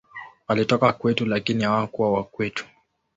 Walitoka kwetu, lakini hawakuwa wa kwetu.